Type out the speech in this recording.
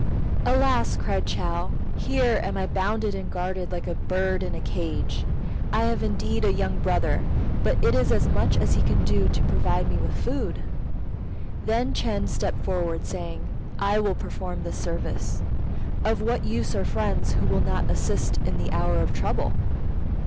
"Alas!" cried Chou, "here am I bound and guarded, like a bird in a cage. I have indeed a young brother, but it is as much as he can do to provide me with food." Then Ch'êng stepped forward, saying, "I will perform this service. Of what use are friends who will not assist in the hour of trouble?"